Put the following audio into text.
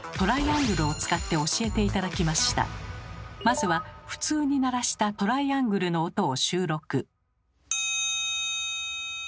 まずは普通に鳴らしたトライアングルの音を収録。